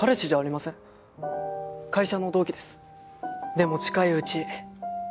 でも近いうち